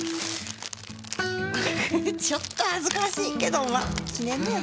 フフフちょっと恥ずかしいけどま記念だよね。